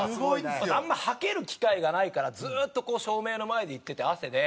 あんまはける機会がないからずっとこう照明の前に行ってて汗で。